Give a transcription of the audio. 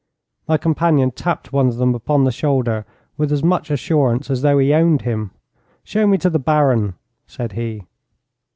My companion tapped one of them upon the shoulder with as much assurance as though he owned him. 'Show me to the Baron,' said he.